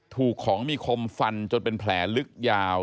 ถูกของมีคมฟันจนเป็นแผลลึกยาว